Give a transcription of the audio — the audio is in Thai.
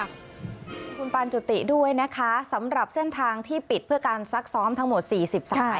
คุณปานจุติด้วยนะคะสำหรับเส้นทางที่ปิดเพื่อการซักซ้อมทั้งหมด๔๐สาย